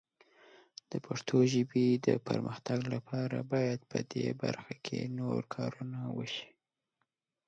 د پښتو ژبې د پرمختګ لپاره باید په دې برخه کې نور کارونه وشي.